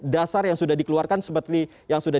dasar yang sudah dikeluarkan sebetulnya yang sudah